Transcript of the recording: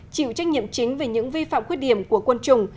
chịu trách nhiệm chính về những vi phạm khuyết điểm của quân chủng